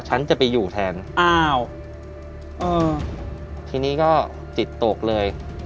ฉันจะไปอยู่แทนทีนี้ก็จิตตกเลย